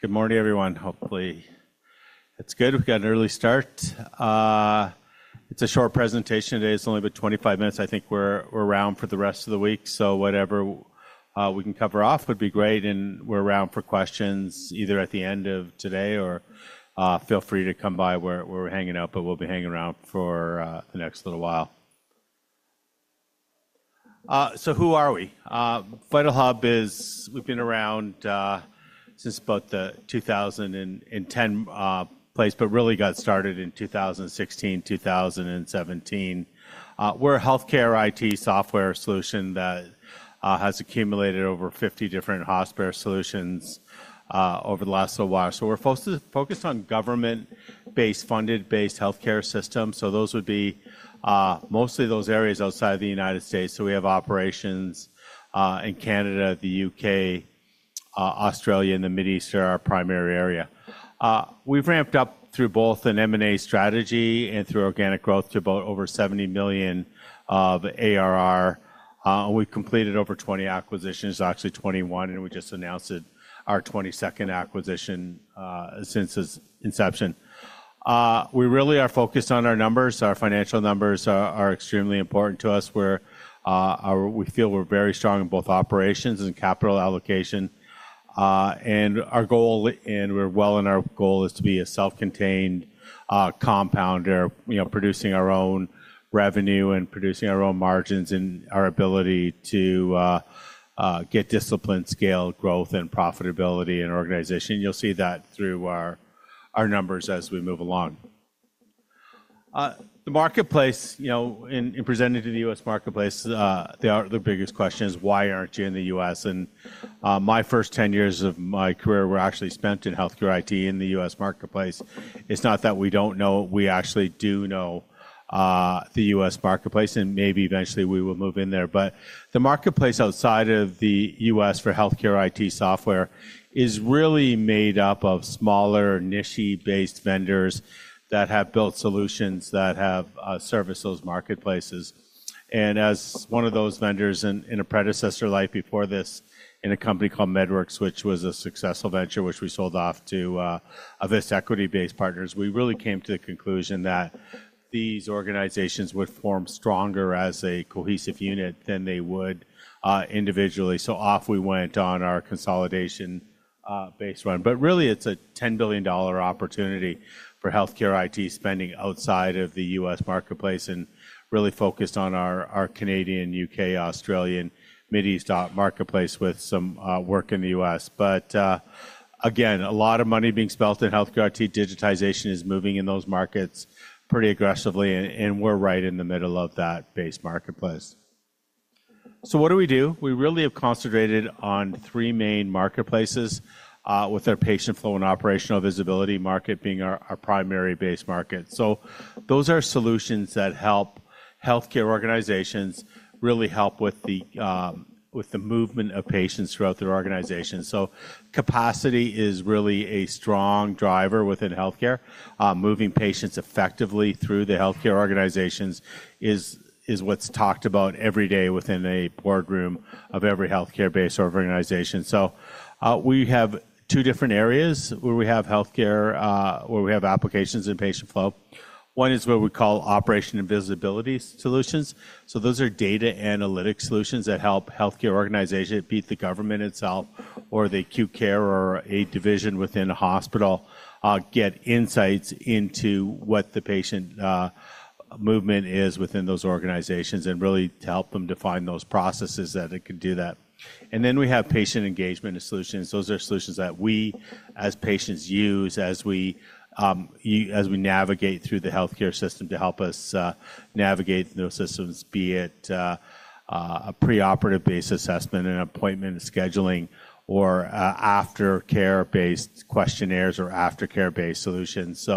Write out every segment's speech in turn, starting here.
Good morning, everyone. Hopefully, it's good. We've got an early start. It's a short presentation today. It's only been 25 minutes. I think we're around for the rest of the week, so whatever we can cover off would be great. We're around for questions either at the end of today or feel free to come by where we're hanging out, but we'll be hanging around for the next little while. Who are we? VitalHub is, we've been around since about the 2010 place, but really got started in 2016, 2017. We're a healthcare IT software solution that has accumulated over 50 different hospital solutions over the last little while. We're focused on government-based, funded-based healthcare systems. Those would be mostly those areas outside of the United States. We have operations in Canada, the U.K., Australia, and the Middle East are our primary area. We've ramped up through both an M&A strategy and through organic growth to about over $70 million of ARR. We've completed over 20 acquisitions or actually 21, and we just announced our 22nd acquisition since its inception. We really are focused on our numbers. Our financial numbers are extremely important to us. We feel we're very strong in both operations and capital allocation. Our goal, and we're well on our goal, is to be a self-contained compounder, producing our own revenue and producing our own margins and our ability to get discipline, scale, growth, and profitability in our organization. You'll see that through our numbers as we move along. The marketplace, in presenting to the U.S. marketplace, the biggest question is, why aren't you in the U.S.? My first 10 years of my career were actually spent in healthcare IT in the U.S. marketplace. It's not that we don't know. We actually do know the U.S. marketplace, and maybe eventually we will move in there. The marketplace outside of the U.S. for healthcare IT software is really made up of smaller, niche-based vendors that have built solutions that have serviced those marketplaces. As one of those vendors in a predecessor life before this in a company called MedWorxx, which was a successful venture, which we sold off to Vista Equity Partners, we really came to the conclusion that these organizations would form stronger as a cohesive unit than they would individually so off we went on our consolidation-based run. Really, it's a $10 billion opportunity for healthcare IT spending outside of the U.S. marketplace and really focused on our Canadian, U.K., Australian, Middle East marketplace with some work in the U.S. Again, a lot of money being spent in healthcare IT. Digitization is moving in those markets pretty aggressively, and we're right in the middle of that base marketplace. What do we do? We really have concentrated on three main marketplaces with our patient flow and operational visibility market being our primary base market. Those are solutions that help healthcare organizations really help with the movement of patients throughout their organization. Capacity is really a strong driver within healthcare. Moving patients effectively through the healthcare organizations is what's talked about every day within a boardroom of every healthcare-based organization. We have two different areas where we have healthcare, where we have applications in patient flow. One is what we call Operational Visibility solutions. Those are data analytic solutions that help healthcare organizations, be it the government itself or the acute care or a division within a hospital, get insights into what the patient movement is within those organizations and really to help them define those processes that it could do that. We have patient engagement solutions. Those are solutions that we as patients use as we navigate through the healthcare system to help us navigate those systems, be it a preoperative-based assessment and appointment scheduling or aftercare-based questionnaires or aftercare-based solutions.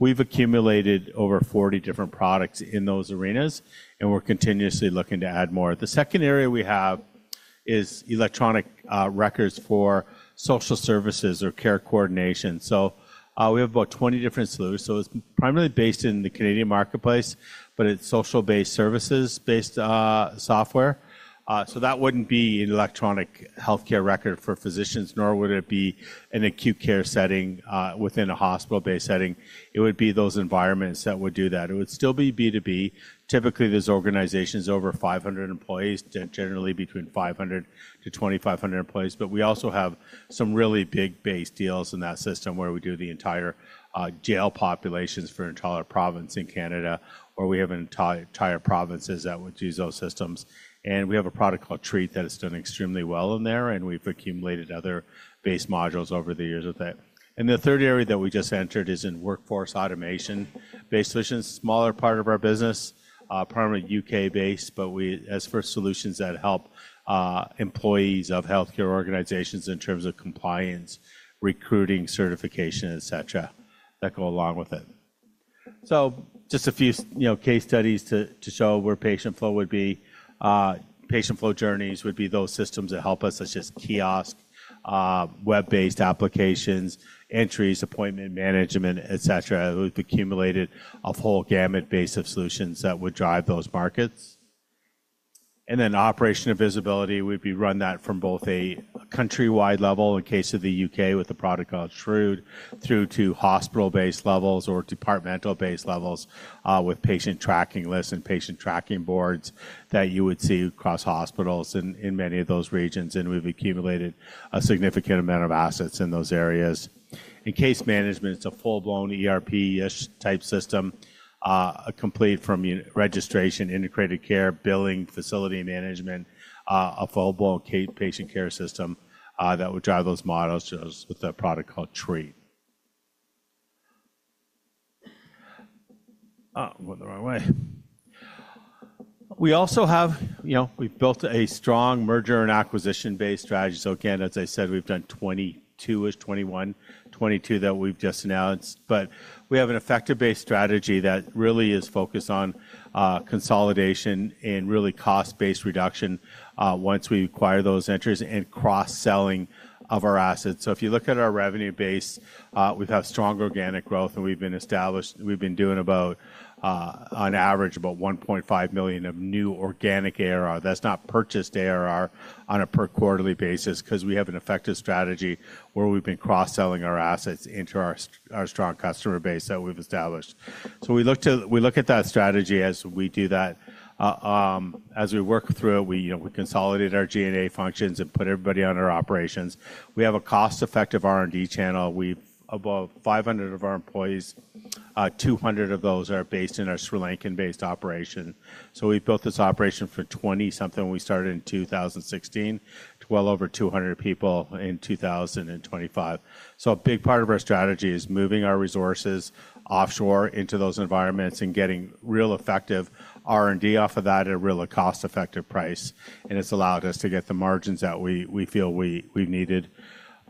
We have accumulated over 40 different products in those arenas, and we're continuously looking to add more. The second area we have is electronic records for social services or care coordination. We have about 20 different solutions. It is primarily based in the Canadian marketplace, but it is social-based services-based software. That would not be an electronic health record for physicians, nor would it be an acute care setting within a hospital-based setting. It would be those environments that would do that. It would still be B2B. Typically, there are organizations over 500 employees, generally between 500 employees to 2,500 employees. We also have some really big base deals in that system where we do the entire jail populations for an entire province in Canada, or we have entire provinces that would use those systems. We have a product called TREAT that has done extremely well in there, and we have accumulated other base modules over the years with it. The third area that we just entered is in workforce automation-based solutions, smaller part of our business, primarily U.K.-based, but we ask for solutions that help employees of healthcare organizations in terms of compliance, recruiting, certification, et cetera, that go along with it. Just a few case studies to show where patient flow would be. Patient flow journeys would be those systems that help us, such as kiosk, web-based applications, entries, appointment management, et cetera. We have accumulated a whole gamut base of solutions that would drive those markets. Operational visibility, we run that from both a countrywide level in the case of the U.K. with a product called SHREWD, through to hospital-based levels or departmental-based levels with patient tracking lists and patient tracking boards that you would see across hospitals in many of those regions. We have accumulated a significant amount of assets in those areas. In case management, it's a full-blown ERP-ish type system, complete from registration, integrated care, billing, facility management, a full-blown patient care system that would drive those models with our product called TREAT. It went the wrong way. We also have, we've built a strong merger and acquisition-based strategy. As I said, we've done 22-ish, 21, 22 that we've just announced. We have an effective-based strategy that really is focused on consolidation and really cost-based reduction once we acquire those entries and cross-selling of our assets. If you look at our revenue base, we've had strong organic growth, and we've been established, we've been doing about, on average, about $1.5 million of new organic ARR. That's not purchased ARR on a per quarterly basis because we have an effective strategy where we've been cross-selling our assets into our strong customer base that we've established. We look at that strategy as we do that. As we work through it, we consolidate our G&A functions and put everybody under operations. We have a cost-effective R&D channel. We have about 500 of our employees, 200 of those are based in our Sri Lankan-based operation. We have built this operation for 20 something. We started in 2016, well over 200 people in 2025. A big part of our strategy is moving our resources offshore into those environments and getting real effective R&D off of that at a really cost-effective price. It has allowed us to get the margins that we feel we needed.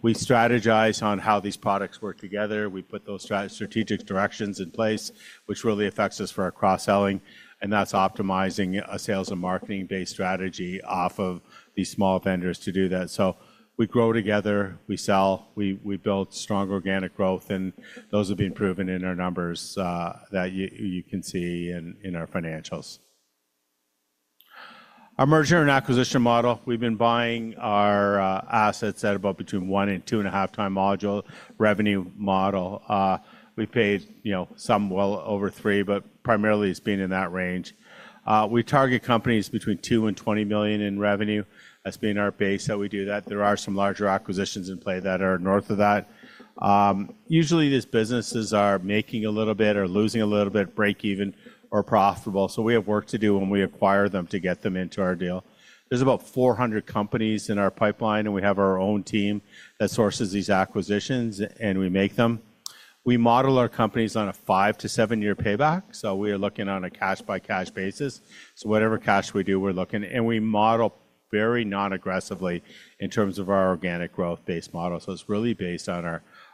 We strategize on how these products work together. We put those strategic directions in place, which really affects us for our cross-selling. That is optimizing a sales and marketing-based strategy off of these small vendors to do that. We grow together, we sell, we build strong organic growth, and those have been proven in our numbers that you can see in our financials. Our merger and acquisition model, we've been buying our assets at about between one and 2.5x module, revenue model. We paid some, well, over three, but primarily it's been in that range. We target companies between $2 million and $20 million in revenue as being our base that we do that. There are some larger acquisitions in play that are north of that. Usually, these businesses are making a little bit or losing a little bit, break even, or profitable. We have work to do when we acquire them to get them into our deal. There's about 400 companies in our pipeline, and we have our own team that sources these acquisitions, and we make them. We model our companies on a five-year to seven-year payback. We are looking on a cash-by-cash basis. Whatever cash we do, we're looking. We model very non-aggressively in terms of our organic growth-based model. It is really based on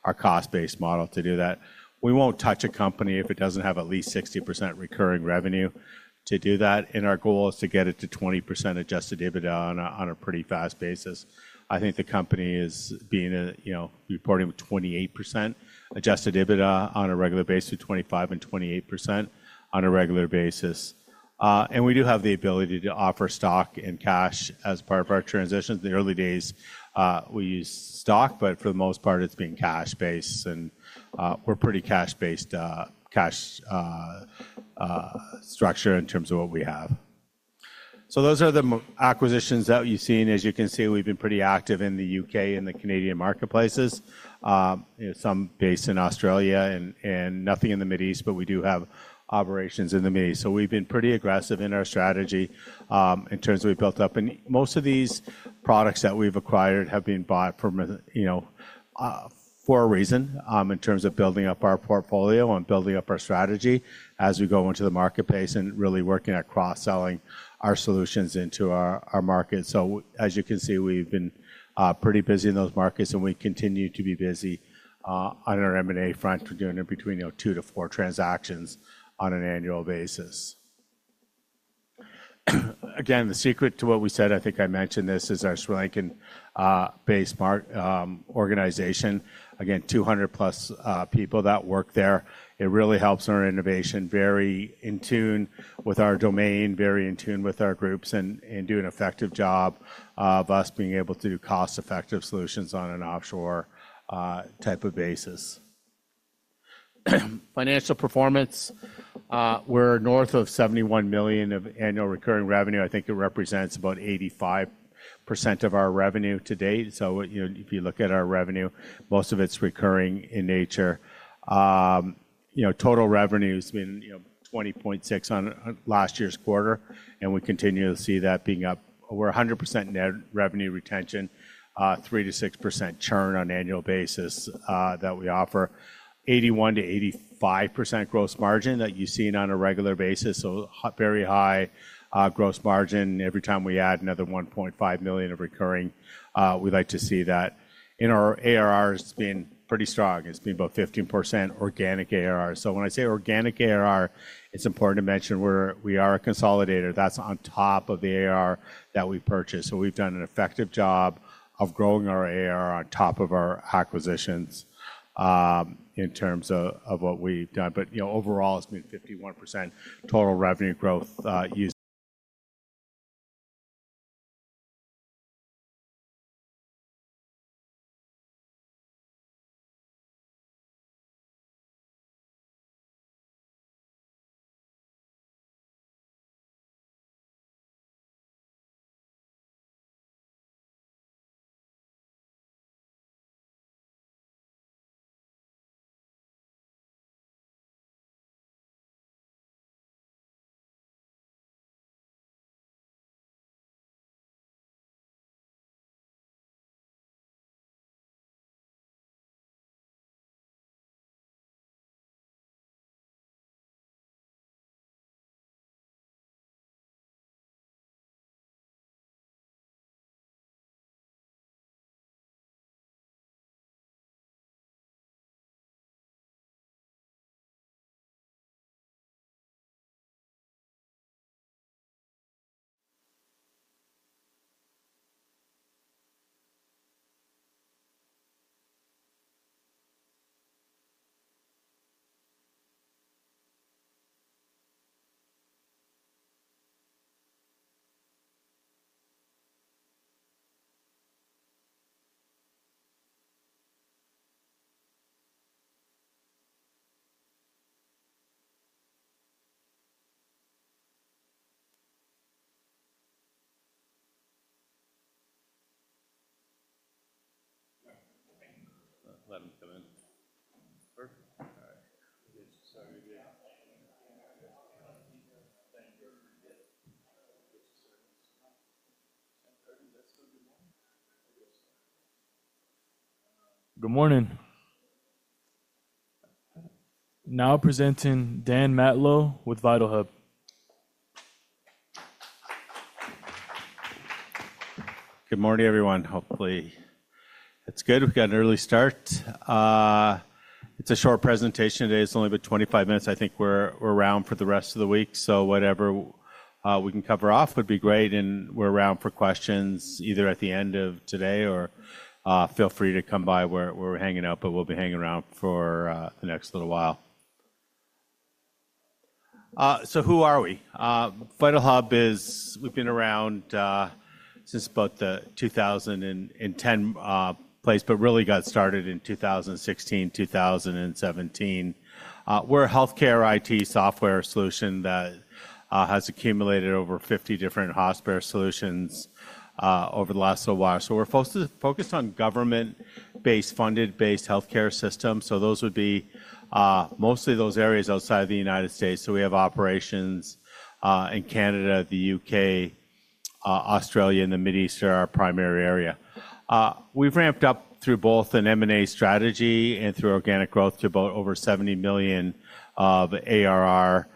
our cost-based model to do that. We will not touch a company if it does not have at least 60% recurring revenue to do that. Our goal is to get it to 20% adjusted EBITDA on a pretty fast basis. I think the company is reporting 28% adjusted EBITDA on a regular basis, 25% and 28% on a regular basis. We do have the ability to offer stock and cash as part of our transitions. In the early days, we used stock, but for the most part, it has been cash-based, and we are pretty cash-based cash structure in terms of what we have. Those are the acquisitions that you've seen. As you can see, we've been pretty active in the U.K. and the Canadian marketplaces, some based in Australia and nothing in the Middle East, but we do have operations in the Middle East. We've been pretty aggressive in our strategy in terms of we built up. Most of these products that we've acquired have been bought for a reason in terms of building up our portfolio and building up our strategy as we go into the marketplace and really working at cross-selling our solutions into our market. As you can see, we've been pretty busy in those markets, and we continue to be busy on our M&A front. We're doing between two to four transactions on an annual basis. Again, the secret to what we said, I think I mentioned this, is our Sri Lankan-based organization. Again, 200-plus people that work there. It really helps on our innovation, very in tune with our domain, very in tune with our groups, and do an effective job of us being able to do cost-effective solutions on an offshore type of basis. Financial performance, we're north of $71 million of annual recurring revenue. I think it represents about 85% of our revenue to date. If you look at our revenue, most of it's recurring in nature. Total revenue has been $20.6 million on last year's quarter, and we continue to see that being up. We're 100% net revenue retention, 3% to 6% churn on annual basis that we offer. 81% to 85% gross margin that you've seen on a regular basis. Very high gross margin every time we add another $1.5 million of recurring. We like to see that. In our ARRs, it's been pretty strong. It's been about 15% organic ARR. When I say organic ARR, it's important to mention we are a consolidator. That's on top of the ARR that we purchase. We've done an effective job of growing our ARR on top of our acquisitions in terms of what we've done. Overall, it's been 51% total revenue growth used. Good morning. Now presenting Dan Matlow with VitalHub. Good morning, everyone. Hopefully, it's good. We've got an early start. It's a short presentation today. It's only been 25 minutes. I think we're around for the rest of the week. Whatever we can cover off would be great. We're around for questions either at the end of today or feel free to come by where we're hanging out, but we'll be hanging around for the next little while. Who are we? VitalHub, we've been around since about the 2010 place, but really got started in 2016, 2017. We're a healthcare IT software solution that has accumulated over 50 different hospital solutions over the last little while. We're focused on government-based, funded-based healthcare systems. Those would be mostly those areas outside of the United States. We have operations in Canada, the U.K., Australia, and the Mideast are our primary area. We've ramped up through both an M&A strategy and through organic growth to about over $70 million of ARR.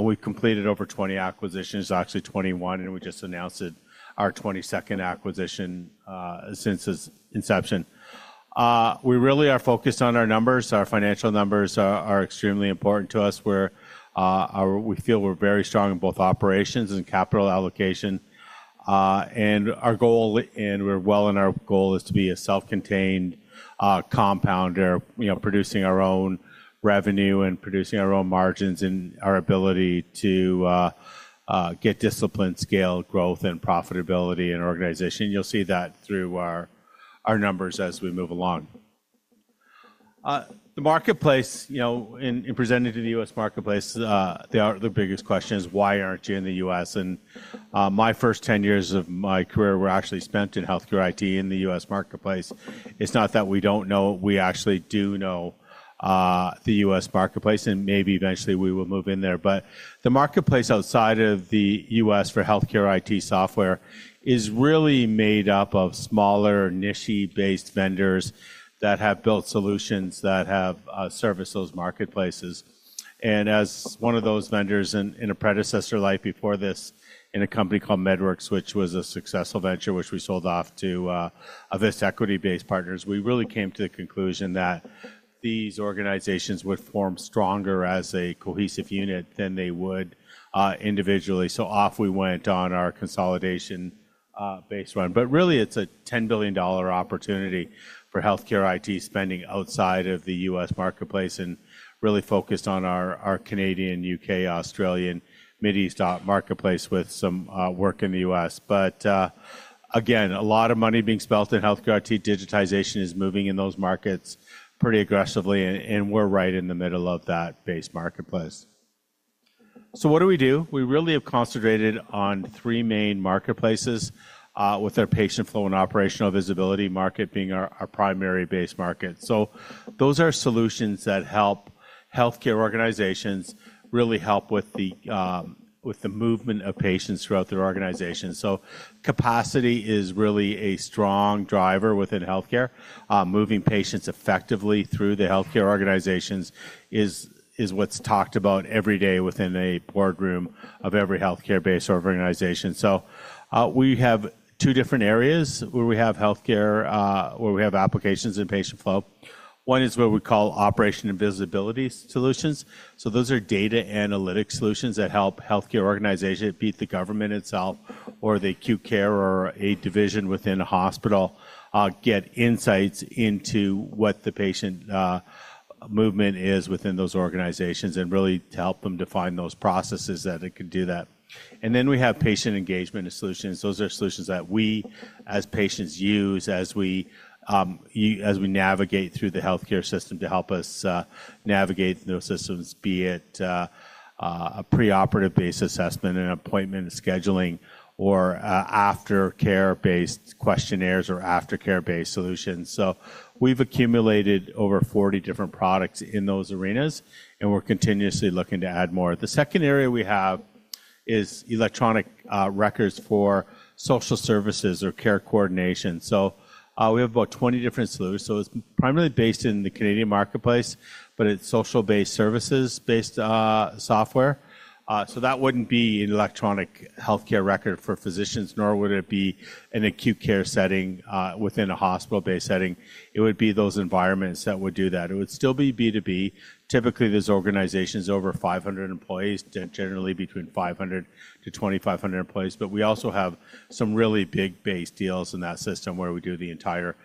We've completed over 20 acquisitions or actually 21, and we just announced our 22nd acquisition since its inception. We really are focused on our numbers. Our financial numbers are extremely important to us. We feel we're very strong in both operations and capital allocation. Our goal, and we're well in our goal, is to be a self-contained compounder, producing our own revenue and producing our own margins and our ability to get discipline, scale, growth, and profitability in our organization. You'll see that through our numbers as we move along. The marketplace, in presenting to the U.S. marketplace, the biggest question is, why aren't you in the U.S.? My first 10 years of my career were actually spent in healthcare IT in the U.S. marketplace. It's not that we don't know. We actually do know the U.S. marketplace, and maybe eventually we will move in there. The marketplace outside of the U.S. for healthcare IT software is really made up of smaller, niche-based vendors that have built solutions that have serviced those marketplaces. As one of those vendors in a predecessor life before this in a company called MedWorxx, which was a successful venture, which we sold off to Vista Equity Partners, we really came to the conclusion that these organizations would form stronger as a cohesive unit than they would individually so off we went on our consolidation-based run. Really, it's a $10 billion opportunity for healthcare IT spending outside of the U.S. marketplace and really focused on our Canadian, U.K., Australian, Mideast marketplace with some work in the U.S. Again, a lot of money being spent in healthcare IT. Digitization is moving in those markets pretty aggressively, and we're right in the middle of that base marketplace. What do we do? We really have concentrated on three main marketplaces with our patient flow and operational visibility market being our primary base market. Those are solutions that help healthcare organizations really help with the movement of patients throughout their organization. Capacity is really a strong driver within healthcare. Moving patients effectively through the healthcare organizations is what's talked about every day within a boardroom of every healthcare-based organization. We have two different areas where we have healthcare, where we have applications in patient flow. One is what we call operation and visibility solutions. Those are data analytic solutions that help healthcare organizations, be it the government itself or the acute care or aid division within a hospital, get insights into what the patient movement is within those organizations and really to help them define those processes that it can do that. Then we have patient engagement solutions. Those are solutions that we as patients use as we navigate through the healthcare system to help us navigate those systems, be it a pre-operative-based assessment and appointment scheduling or aftercare-based questionnaires or aftercare-based solutions. We have accumulated over 40 different products in those arenas, and we are continuously looking to add more. The second area we have is electronic records for social services or care coordination. We have about 20 different solutions. It is primarily based in the Canadian marketplace, but it is social-based services-based software. That would not be an electronic health record for physicians, nor would it be an acute care setting within a hospital-based setting. It would be those environments that would do that. It would still be B2B. Typically, there are organizations over 500 employees, generally between 500 employees to 2,500 employees. We also have some really big base deals in that system where we do the entire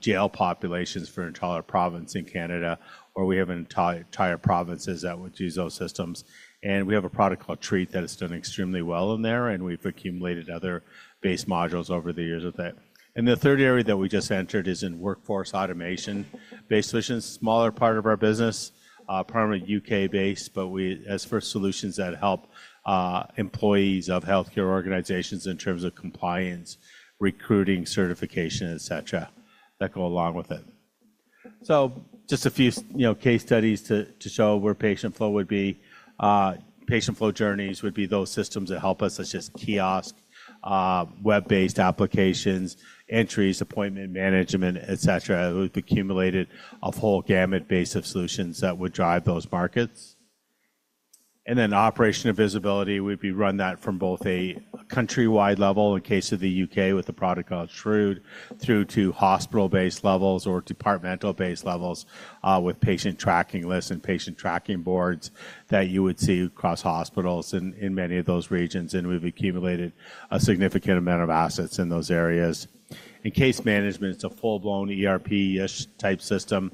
jail populations for an entire province in Canada, or we have entire provinces that would use those systems. We have a product called TREAT that has done extremely well in there, and we've accumulated other base modules over the years with it. The third area that we just entered is in workforce automation-based solutions, smaller part of our business, primarily U.K.-based, but as for solutions that help employees of healthcare organizations in terms of compliance, recruiting, certification, etc., that go along with it. Just a few case studies to show where patient flow would be. Patient flow journeys would be those systems that help us, such as kiosk, web-based applications, entries, appointment management, etc. We've accumulated a whole gamut base of solutions that would drive those markets. Then operational visibility, we'd run that from both a countrywide level, in the case of the U.K., with a product called SHREWD, through to hospital-based levels or departmental-based levels with patient tracking lists and patient tracking boards that you would see across hospitals in many of those regions. We've accumulated a significant amount of assets in those areas. In case management, it's a full-blown ERP-ish type system,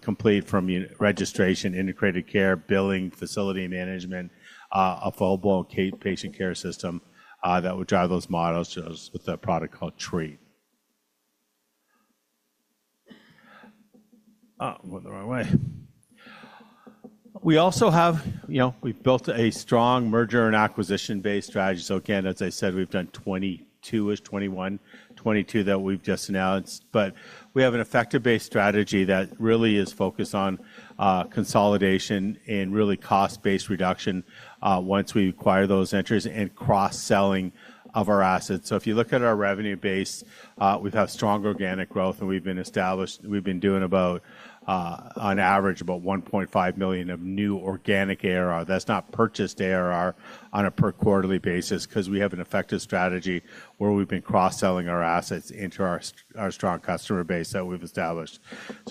complete from registration, integrated care, billing, facility management, a full-blown patient care system that would drive those models with a product called TREAT. Went the wrong way. We also have, we've built a strong merger and acquisition-based strategy. As I said, we've done 22-ish, 21, 22 that we've just announced. We have an effective-based strategy that really is focused on consolidation and really cost-based reduction once we acquire those entries and cross-selling of our assets. If you look at our revenue-based, we've had strong organic growth, and we've been established, we've been doing about, on average, about $1.5 million of new organic ARR. That's not purchased ARR on a per quarterly basis because we have an effective strategy where we've been cross-selling our assets into our strong customer base that we've established.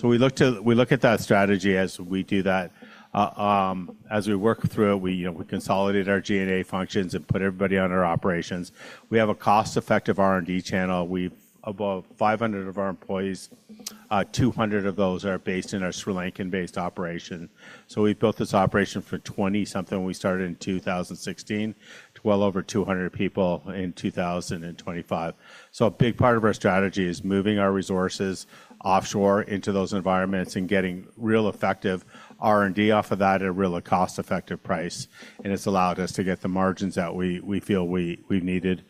We look at that strategy as we do that. As we work through it, we consolidate our G&A functions and put everybody under operations. We have a cost-effective R&D channel. About 500 of our employees, 200 of those are based in our Sri Lankan-based operation. We've built this operation for 20-something. We started in 2016, well over 200 people in 2025. A big part of our strategy is moving our resources offshore into those environments and getting real effective R&D off of that at a really cost-effective price. It has allowed us to get the margins that we feel we needed.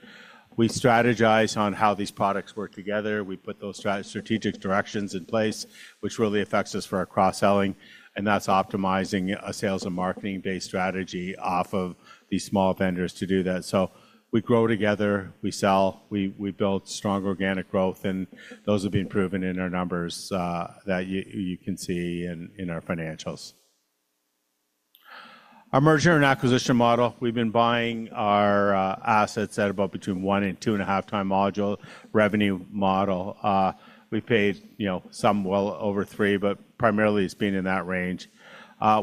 We strategize on how these products work together. We put those strategic directions in place, which really affects us for our cross-selling. That is optimizing a sales and marketing-based strategy off of these small vendors to do that. We grow together. We sell. We build strong organic growth. Those have been proven in our numbers that you can see in our financials. Our merger and acquisition model, we have been buying our assets at about between one and two and a half times module revenue model. We paid some well over three, but primarily it has been in that range.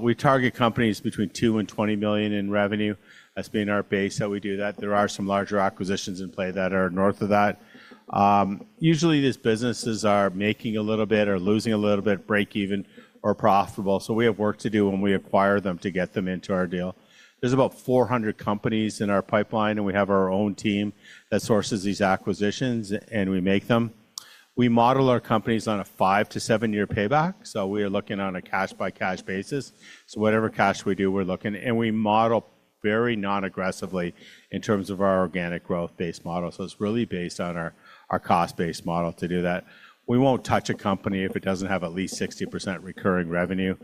We target companies between $2 million and $20 million in revenue. That has been our base that we do that. There are some larger acquisitions in play that are north of that. Usually, these businesses are making a little bit or losing a little bit, break even, or profitable. We have work to do when we acquire them to get them into our deal. There are about 400 companies in our pipeline, and we have our own team that sources these acquisitions, and we make them. We model our companies on a five-year to seven-year payback. We are looking on a cash-by-cash basis. Whatever cash we do, we're looking. We model very non-aggressively in terms of our organic growth-based model. It is really based on our cost-based model to do that. We will not touch a company if it does not have at least 60% recurring revenue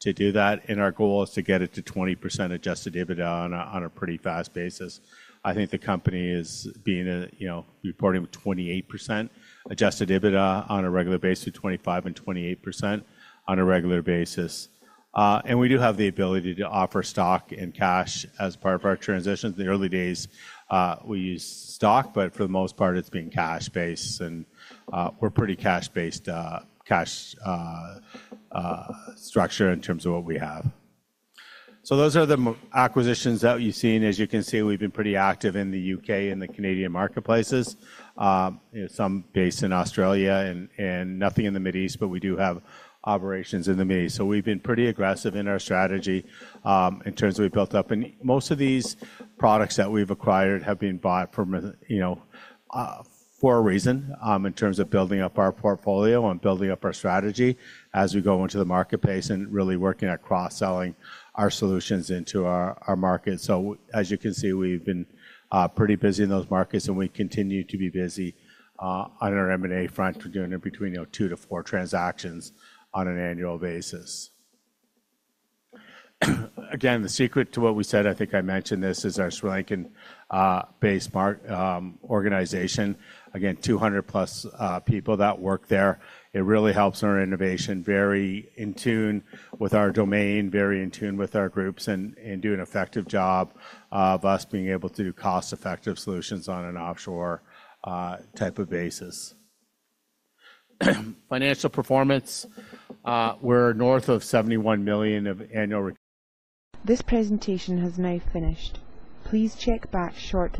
to do that. Our goal is to get it to 20% adjusted EBITDA on a pretty fast basis. I think the company is reporting 28% adjusted EBITDA on a regular basis to 25% and 28% on a regular basis. We do have the ability to offer stock and cash as part of our transitions. In the early days, we used stock, but for the most part, it's been cash-based. We're a pretty cash-based cash structure in terms of what we have. Those are the acquisitions that you've seen. As you can see, we've been pretty active in the U.K. and the Canadian marketplaces. Some base in Australia and nothing in the Middle East, but we do have operations in the Middle East. We've been pretty aggressive in our strategy in terms of we built up. Most of these products that we've acquired have been bought for a reason in terms of building up our portfolio and building up our strategy as we go into the marketplace and really working at cross-selling our solutions into our market. As you can see, we've been pretty busy in those markets, and we continue to be busy on our M&A front. We're doing in between two to four transactions on an annual basis. Again, the secret to what we said, I think I mentioned this, is our Sri Lankan-based organization. Again, 200-plus people that work there. It really helps our innovation, very in tune with our domain, very in tune with our groups, and do an effective job of us being able to do cost-effective solutions on an offshore type of basis. Financial performance, we're north of $71 million of annual. This presentation has now finished. Please check back shortly.